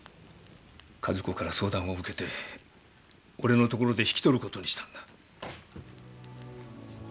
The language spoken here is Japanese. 加寿子から相談を受けて俺のところで引き取ることにしたんだ。